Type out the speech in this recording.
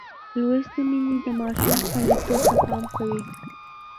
لوستې میندې د ماشوم خوندیتوب ته پام کوي.